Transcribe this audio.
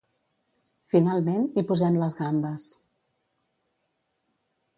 Finalment, hi posem les gambes.